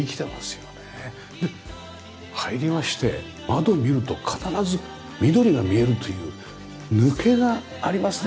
で入りまして窓を見ると必ず緑が見えるという抜けがありますね